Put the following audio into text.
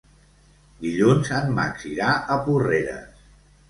Dilluns en Max irà a Porreres.